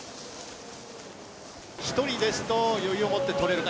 １人ですと余裕を持って取れるか。